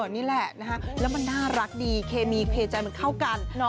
นี่แหละนะคะแล้วมันน่ารักดีเคมีเคใจมันเข้ากัน